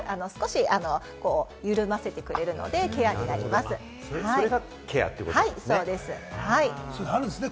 緩ませてくれるのでケアになそれがケアということなんですね。